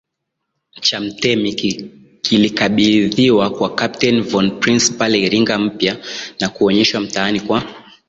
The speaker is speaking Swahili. cha mtemi kilikabidhiwa kwa Kapteni von Prince pale Iringa Mpya na kuonyeshwa mtaani kwa